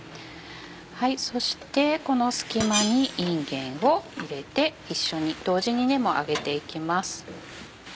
そしてこの隙間にいんげんを入れて一緒に同時にもう揚げていきます。